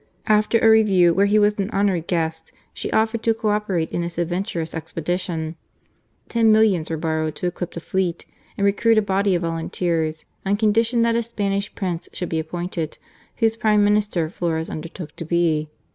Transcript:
After a review, where he was an honoured guest, she offered to co operate in this adventurous expedition. Ten millions were borrowed to equip a fleet and recruit a body of volunteers, on condition that a Spanish prince should be appointed, whose Prime Minister Flores undertook to be.